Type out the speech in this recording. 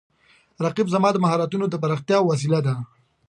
رقیب زما د مهارتونو د پراختیا وسیله ده